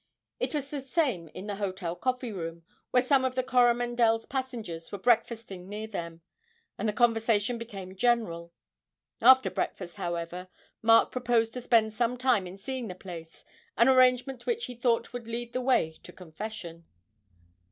It was the same in the hotel coffee room, where some of the 'Coromandel's' passengers were breakfasting near them, and the conversation became general; after breakfast, however, Mark proposed to spend some time in seeing the place, an arrangement which he thought would lead the way to confession.